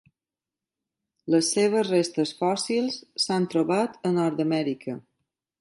Les seves restes fòssils s'han trobat a Nord-amèrica.